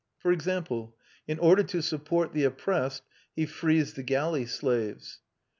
For example, in order to support the oppressed he frees the galley slaves.